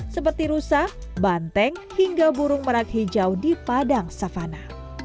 seperti rusa banteng hingga burung merah hijau di padang savana